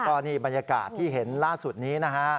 ก็นี่บรรยากาศที่เห็นล่าสุดนี้นะฮะ